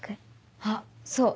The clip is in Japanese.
あっそう。